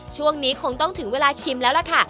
ช่วงนี้คงต้องถึงเวลาชิมแล้วล่ะค่ะ